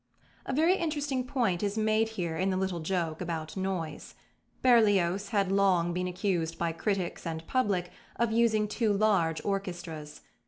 A very interesting point is made here in the little joke about "noise." Berlioz had long been accused by critics and public of using too large orchestras.